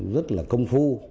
rất là công phu